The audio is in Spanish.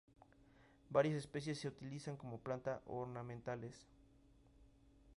Varias especies se utilizan como planta ornamentales.